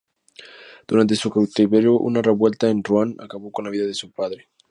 Durante su cautiverio una revuelta en Ruan acabó con la vida de su padre.